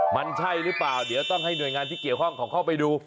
มันใช่หรือเปล่าเดี๋ยวต้องให้หน่วยงานที่เกี่ยวข้องเขาเข้าไปดู